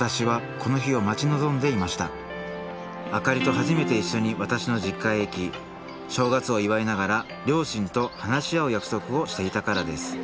明里と初めて一緒に私の実家へ行き正月を祝いながら両親と話し合う約束をしていたからです。